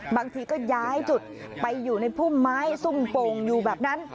บางทีก็ย้ายจุดไปอยู่ในพุ่มไม้ซุ่มโป่งอยู่แบบนั้น